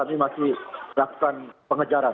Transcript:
ini masih lakukan pengejaran